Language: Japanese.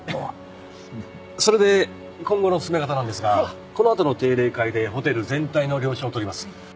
それで今後の進め方なんですがこの後の定例会でホテル全体の了承をとります。